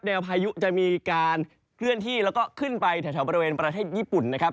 พายุจะมีการเคลื่อนที่แล้วก็ขึ้นไปแถวบริเวณประเทศญี่ปุ่นนะครับ